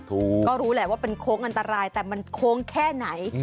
ก็รู้แหละว่าเป็นโค้งอันตรายแต่มันโค้งแค่ไหน